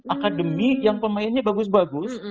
akademi yang pemainnya bagus bagus